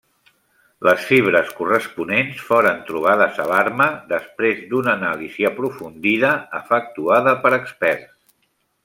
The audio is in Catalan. Les fibres corresponents foren trobades a l'arma després d'una anàlisi aprofundida efectuada per experts.